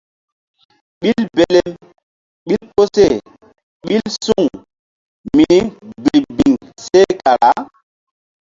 Ɓil belem ɓil koseh ɓil suŋ mini birbiŋ seh kara.